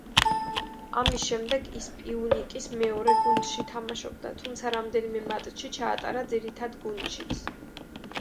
ამის შემდეგ ის პიუნიკის მეორე გუნდში თამაშობდა, თუმცა რამდენიმე მატჩი ჩაატარა ძირითად გუნდშიც.